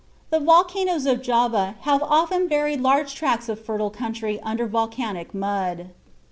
The volcanoes of Java have often buried large tracts of fertile country under volcanic mud.